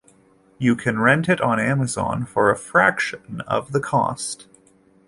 You can rent it on Amazon for a fraction of the cost.